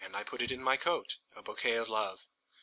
put it in my coat,A bouquet of Love!